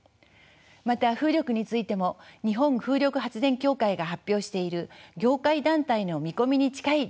また風力についても日本風力発電協会が発表している業界団体の見込みに近い導入量です。